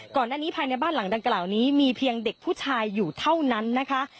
ก่อนหน้านี้ภายในบ้านหลังดังกล่าวนี้มีเพียงเด็กผู้ชายอยู่เท่านั้นนะคะ